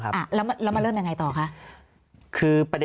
เพราะถ้าเข้าไปอ่านมันจะสนุกมาก